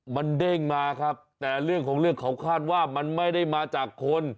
มันเด้งมาครับแต่เรื่องของเรื่องเขาคาดว่ามันไม่ได้มาจากคน